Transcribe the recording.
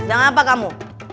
hei sedang apa kamu